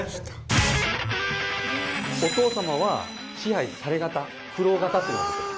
お父さまは支配され型苦労型っていうのが出てる。